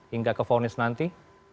hingga ke faunis nanti